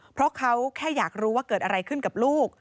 เพราะเขาแค่อยากรู้ว่าเกิดอะไรขึ้นกับลูก